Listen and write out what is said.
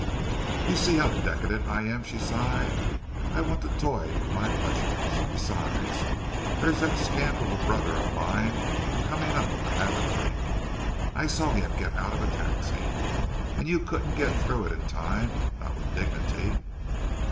"You see how decadent I am," she sighed. "I want to toy with my pleasures. Besides, there's that scamp of a brother of mine coming up to have a drink I saw him get out of a taxi and you couldn't get it through in time, not with dignity."